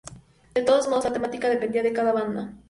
De todos modos, la temática dependía de cada banda.